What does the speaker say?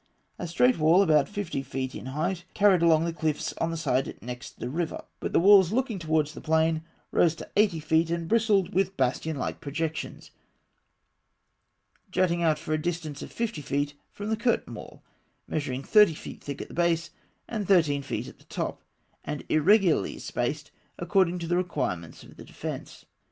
A straight wall, about fifty feet in height, carried along the cliffs on the side next the river; but the walls looking towards the plain rose to eighty feet, and bristled with bastion like projections (A.B.) jutting out for a distance of fifty feet from the curtain wall, measuring thirty feet thick at the base and thirteen feet at the top, and irregularly spaced, according to the requirements of the defence.